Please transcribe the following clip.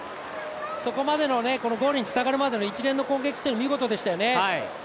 そこまでのゴールにつながるまでの一連の攻撃っていうのは見事でしたよね。